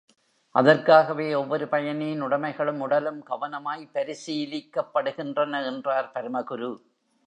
அதற்காகவே ஒவ்வொரு பயணியின் உடமைகளும், உடலும், கவனமாய்ப் பரிசீலிக்கப்படுகின்றன என்றார் பரமகுரு.